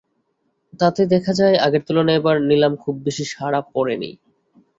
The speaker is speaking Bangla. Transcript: তাতে দেখা যায়, আগের তুলনায় এবার নিলামে খুব বেশি সাড়া পড়েনি।